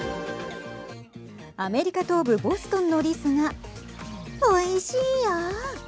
アメリカ東部ボストンのリスがおいしいよ。